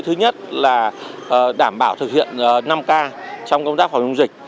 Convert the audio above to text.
thứ nhất là đảm bảo thực hiện năm k trong công tác phòng chống dịch